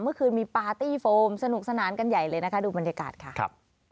เมื่อคืนมีปาร์ตี้โฟมสนุกสนานกันใหญ่เลยนะคะดูบรรยากาศค่ะครับ